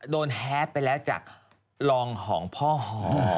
โดนแฮบไปแล้วจากลองห่องพ่อหอ